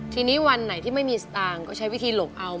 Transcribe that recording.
ทีนี้วันไหนที่ไม่มีสตางค์ก็ใช้วิธีหลบเอา